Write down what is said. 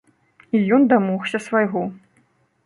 І ён дамогся свайго.